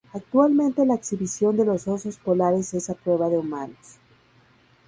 Actualmente la exhibición de los osos polares es a prueba de humanos.